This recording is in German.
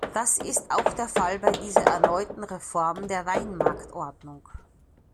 Das ist auch der Fall bei dieser erneuten Reform der Weinmarktordnung.